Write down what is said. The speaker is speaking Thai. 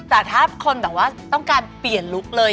แต่ถ้าคนแบบว่าต้องการเปลี่ยนลุคเลย